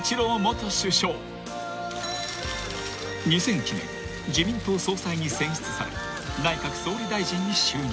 ［２００１年自民党総裁に選出され内閣総理大臣に就任］